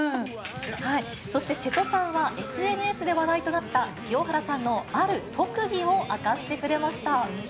そして瀬戸さんは、ＳＮＳで話題となった、清原さんのある特技を明かしてくれました。